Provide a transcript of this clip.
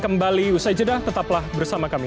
kembali usai jeda tetaplah bersama kami